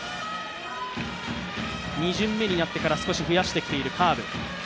２巡目になってから少し増やしてきているカーブ。